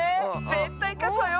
ぜったいかつわよ！